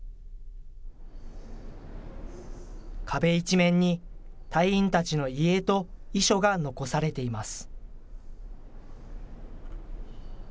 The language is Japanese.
壁一面に隊員たちの遺影と遺書が残されています。